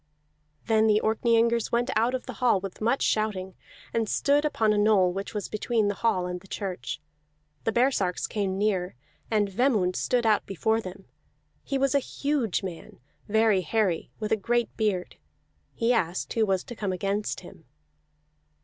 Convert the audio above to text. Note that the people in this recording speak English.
Then the Orkneyingers went out of the hall with much shouting, and stood upon a knoll which was between the hall and the church. The baresarks came near, and Vemund stood out before them; he was a huge man, very hairy, with a great beard. He asked who was to come against him.